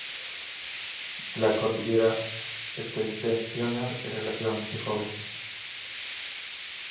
La Cordillera Septentrional es relativamente joven.